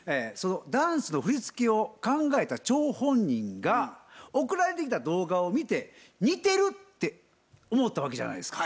ダンスの振り付けを考えた張本人が送られてきた動画を見て似てるって思ったわけじゃないですか。